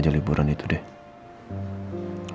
lalu aku mau kemana